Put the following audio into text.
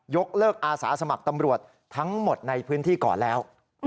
ยกเลิกอาสาสมัครตำรวจทั้งหมดในพื้นที่ก่อนแล้ว